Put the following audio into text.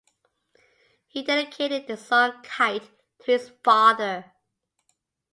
He dedicated the song "Kite" to his father.